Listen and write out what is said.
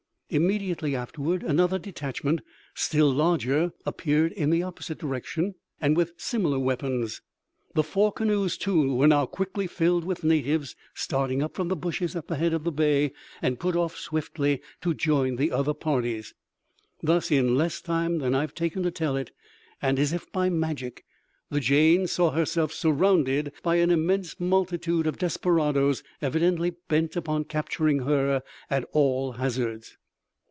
Immediately afterward another detachment, still larger, appeared in an opposite direction, and with similar weapons. The four canoes, too, were now quickly filled with natives, starting up from the bushes at the head of the bay, and put off swiftly to join the other parties. Thus, in less time than I have taken to tell it, and as if by magic, the Jane saw herself surrounded by an immense multitude of desperadoes evidently bent upon capturing her at all hazards.